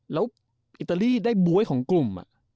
แล้วอิตาลีได้บ๊วยของกลุ่ม